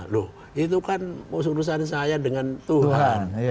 loh itu kan urusan saya dengan tuhan